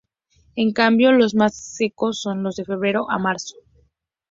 En cambio, los más secos son de febrero a marzo.